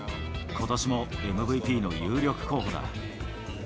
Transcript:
ことしもＭＶＰの有力候補だ。